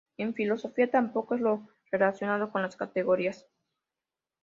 En filosofía tampoco es lo relacionado con las categorías.